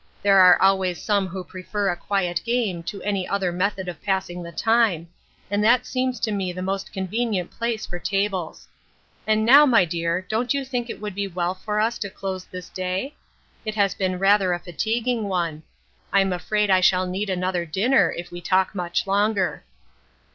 There are always some who prefer a quiet game to any other method of passing the time, and that seems to me the most convenient place for tables. And now, my dear, don't you think it would be well for us to close this day ? It has been rather a fatiguing one ; I'm afraid I shall need another dinner if we talk much longer."